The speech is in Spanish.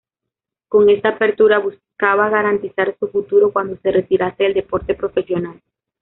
Con esta apertura buscaba garantizar su futuro cuando se retirase del deporte profesional.